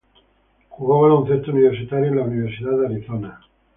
Jugó baloncesto universitario en la Universidad de Arizona.